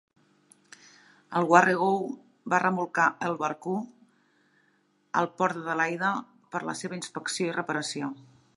El "Warrego" va remolcar el "Barcoo" al Port Adelaide per a la seva inspecció i reparació.